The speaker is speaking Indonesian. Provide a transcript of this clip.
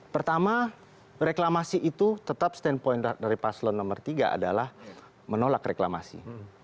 pertama reklamasi itu tetap standpoint dari paslon nomor tiga adalah menolak reklamasi